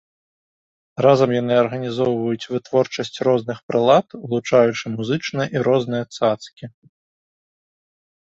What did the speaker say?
Разам яны арганізоўваюць вытворчасць розных прылад, улучаючы музычныя і розныя цацкі.